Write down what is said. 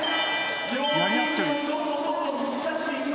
やり合ってる。